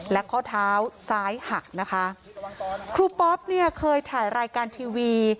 และข้อเท้าซ้ายหักนะคะครูปอ๊อปเนี่ยเคยถ่ายรายการทีวี